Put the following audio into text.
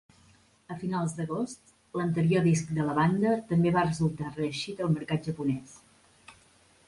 A finals d'agost, l'anterior disc de la banda també va resultar reeixit al mercat japonès.